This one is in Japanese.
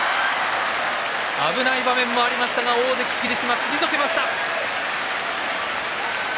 危ない場面もありましたが大関霧島、退けました。